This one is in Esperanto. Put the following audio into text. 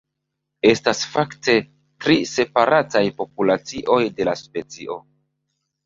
Estas fakte tri separataj populacioj de la specio.